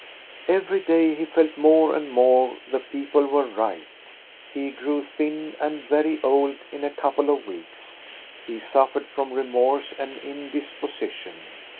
Every day he felt more and more the people were right. He grew thin and very old in a couple of weeks. He suffered from remorse and indisposition.